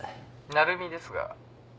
☎鳴海ですが。